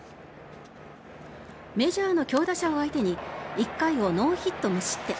メジャーの強打者を相手に１回をノーヒット無失点。